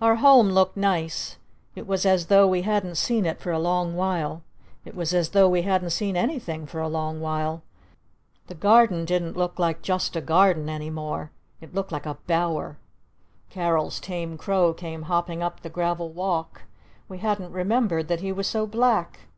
Our Home looked nice. It was as though we hadn't seen it for a long while. It was as though we hadn't seen anything for a long while! The Garden didn't look like Just a Garden any more! It looked like a Bower! Carol's tame crow came hopping up the gravel walk! We hadn't remembered that he was so black!